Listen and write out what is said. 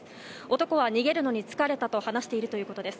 男は逃げるのに疲れたと話しているということです。